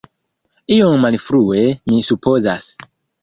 Iom malfrue, mi supozas.